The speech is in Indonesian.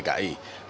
maka dari sosoknya